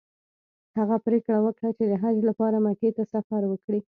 هغه پریکړه وکړه چې د حج لپاره مکې ته سفر وکړي.